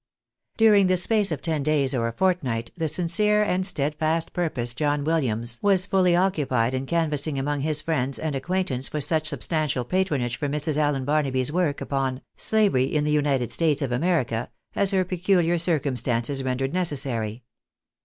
During the space of ten days or a fortnight, the sincere and steadfast purposed John Williams was fully occupied in canvassing among his friends and acquaintance for such substantial patronage for Mrs. Allen Barnaby's work upon " Slavery in the United States of America," as her pecuhar circumstances rendered necessary.